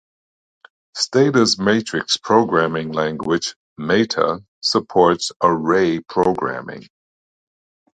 Stata's matrix programming language Mata supports array programming.